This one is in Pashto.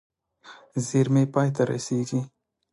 زېرمې پای ته رسېږي.